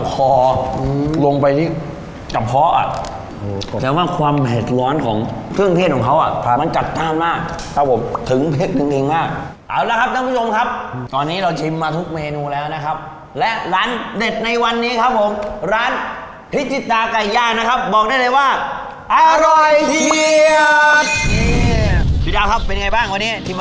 กบกะเพราธิราครับผม